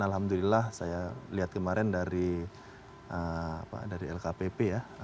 alhamdulillah saya lihat kemarin dari lkpp ya